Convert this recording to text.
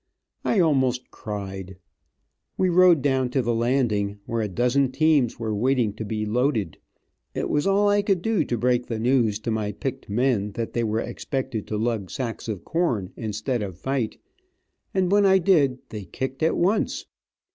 I almost cried. We rode down to the landing, where a dozen teams were waiting to be loaded. It was all I could do to break the news to my picked men that they were expected to lug sacks of corn instead of fight, and when I did they kicked at once.